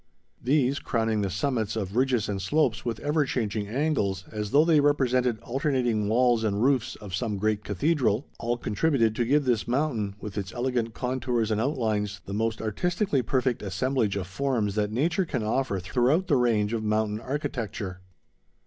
These, crowning the summits of ridges and slopes with ever changing angles, as though they represented alternating walls and roofs of some great cathedral, all contributed to give this mountain, with its elegant contours and outlines, the most artistically perfect assemblage of forms that nature can offer throughout the range of mountain architecture.